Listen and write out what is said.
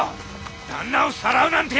旦那をさらうなんて！